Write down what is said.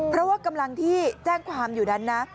เพราะว่ากำลังที่แจ้งความอยู่นั้นนะ